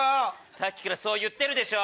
さっきからそう言ってるでしょ。